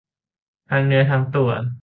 ทั้งเนื้อทั้งตัว